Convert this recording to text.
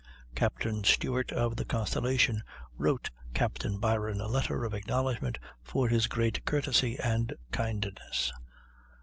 Captain Stewart (of the Constellation) wrote Captain Byron a letter of acknowledgment for his great courtesy and kindness.